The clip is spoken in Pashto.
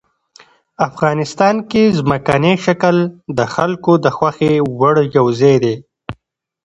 افغانستان کې ځمکنی شکل د خلکو د خوښې وړ یو ځای دی.